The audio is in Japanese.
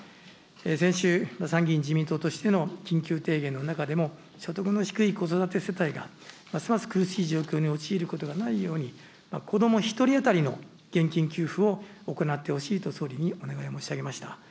先週、参議院自民党としての緊急提言の中でも所得の低い子育て世帯が、ますます苦しい状況に陥ることがないように子ども１人当たりの現金給付を行ってほしいと、総理に願いを申し上げました。